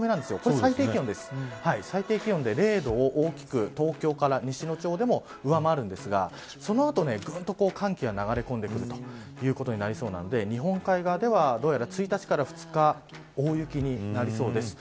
最低気温で零度を大きく東京から西の地方でも上回るんですがその後ぐっと寒気が流れ込んでくることになりそうなので日本海側ではどうやら１日から２日大雪になりそうです。